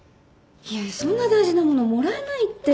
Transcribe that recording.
いやいやそんな大事な物もらえないって